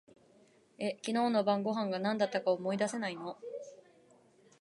え、昨日の晩御飯が何だったか思い出せないの？